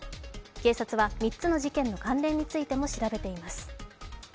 警察は３つの事件の関連についても調べています。